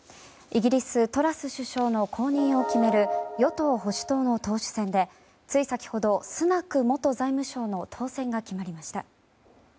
イギリス、トラス首相の後任を決める与党・保守党の党首選でつい先ほど、スナク元財務相の当選が決まりました。